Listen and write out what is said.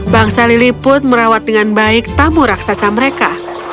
bangsa liliput merawat dengan baik tamu raksasa mereka